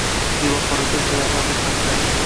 “Xiva qorako‘l” sayyohlar xizmatida